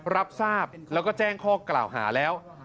รับทราบแล้วก็แจ้งข้อกล่าวหาแล้ว